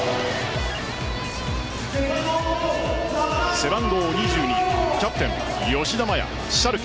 背番号２２・キャプテン吉田麻也、シャルケ。